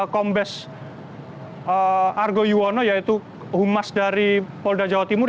kombes argo yuwono yaitu humas dari polda jawa timur